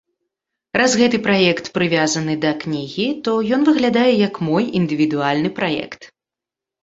Раз гэты праект прывязаны да кнігі, тог ён выглядае як мой індывідуальны праект.